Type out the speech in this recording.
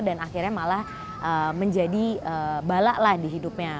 dan akhirnya malah menjadi balak lah di hidupnya